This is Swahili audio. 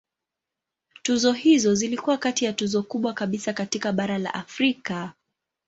Tuzo hizo zilikuwa kati ya tuzo kubwa kabisa katika bara la Afrika.